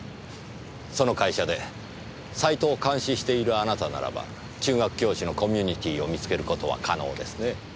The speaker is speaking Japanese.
その会社でサイトを監視しているあなたならば中学教師のコミュニティーを見つける事は可能ですね。